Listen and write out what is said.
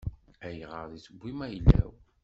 Ayɣer i tewwim ayla-w?